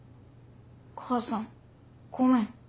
母さんごめん。